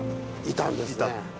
いたんですね。